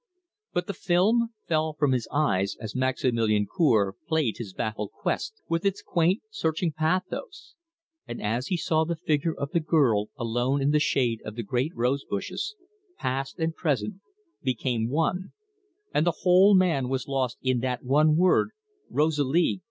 But the film fell from his eyes as Maximilian Cour played his 'Baffled Quest', with its quaint, searching pathos; and as he saw the figure of the girl alone in the shade of the great rose bushes, past and present became one, and the whole man was lost in that one word "Rosalie!"